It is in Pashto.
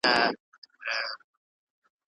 هره لهجه خپل غږ لري.